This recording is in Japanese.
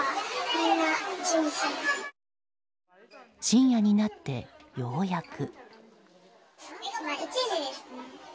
深夜になって、ようやく。